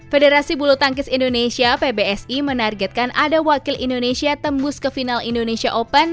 federasi bulu tangkis indonesia pbsi menargetkan ada wakil indonesia tembus ke final indonesia open